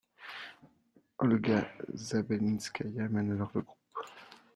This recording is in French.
Olga Zabelinskaya mène alors le groupe.